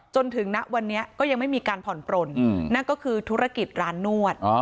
จนถึงณวันนี้ก็ยังไม่มีการผ่อนปลนนั่นก็คือธุรกิจร้านนวด